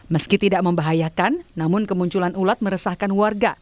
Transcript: meski tidak membahayakan namun kemunculan ulat meresahkan warga